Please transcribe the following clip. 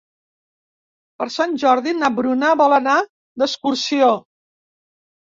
Per Sant Jordi na Bruna vol anar d'excursió.